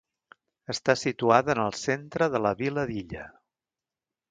Està situada en el centre de la vila d'Illa.